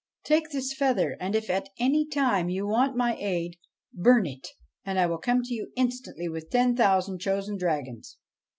Take this feather, and, if at any time you want my aid, burn it and I will come to you instantly with ten thousand chosen dragons.'